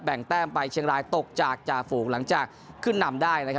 แบ่งแต้มไปเชียงรายตกจากจาฝูงหลังจากขึ้นนำได้นะครับ